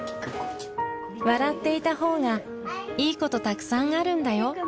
「笑っていたほうがいいことたくさんあるんだよ」。